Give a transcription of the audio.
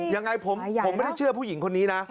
ยังไงผมไม่ได้เชื่อผู้หญิงคนนี้นะ